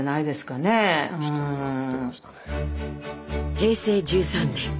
平成１３年。